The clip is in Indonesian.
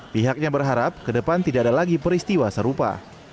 pihaknya berharap ke depan tidak ada lagi peristiwa serupa